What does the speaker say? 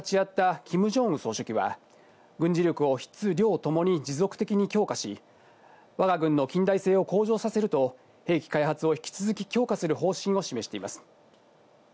１１日の発射に立ち会ったキム・ジョンウン総書記は軍事力を質・量ともに持続的に強化し、我が軍の近代性を向上させると兵器開発を引き続き強化する方針を示しています。